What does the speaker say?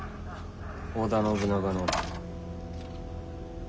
織田信長の。